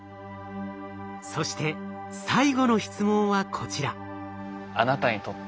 そして最後の質問はこちら。